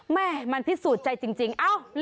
แม่มันพิสูจน์ใจจริง